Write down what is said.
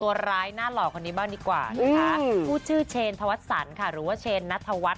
ตัวร้ายหน้าหล่อคนนี้บ้างดีกว่านะคะผู้ชื่อเชนธวัชสันค่ะหรือว่าเชนนัทวัฒน